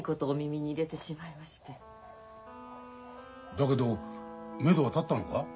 だけどめどは立ったのか？